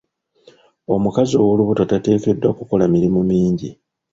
Omukazi ow'olubuto tateekeddwa kukola mirimu mingi.